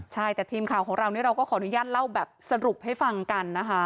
ใช่แต่ทีมข่าวของเรานี่เราก็ขออนุญาตเล่าแบบสรุปให้ฟังกันนะคะ